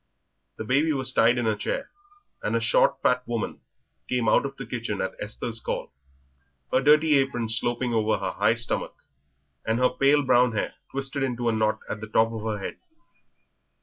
The baby was tied in a chair, and a short fat woman came out of the kitchen at Esther's call, her dirty apron sloping over her high stomach, and her pale brown hair twisted into a knot at the top of her head.